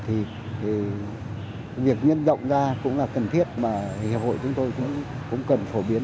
thì việc nhân rộng ra cũng là cần thiết mà hiệp hội chúng tôi cũng cần phổ biến